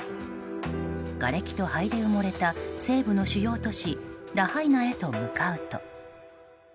がれきと灰で埋もれた西部の主要都市ラハイナへと向かうと。